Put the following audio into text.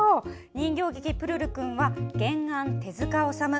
人形劇「プルルくん」は原案、手塚治虫。